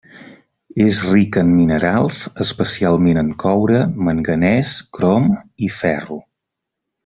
És rica en minerals, especialment en coure, manganès, crom, i ferro.